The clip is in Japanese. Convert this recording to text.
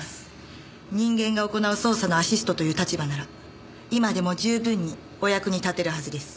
人間が行う捜査のアシストという立場なら今でも十分にお役に立てるはずです。